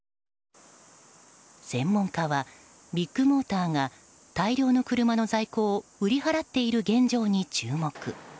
専門家はビッグモーターが大量の車の在庫を売り払っている現状に注目。